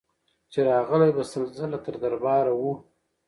چي راغلې به سل ځله تر دربار وه